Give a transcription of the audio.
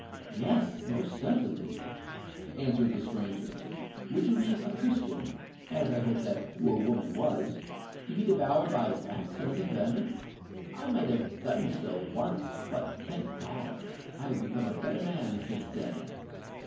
"Yes—most certainly," answered the stranger. "Would you leave a Christian—as I hope that poor woman was—to be devoured by rats and other vermin? I might have done so once: but, thank God! I have become a better man since then.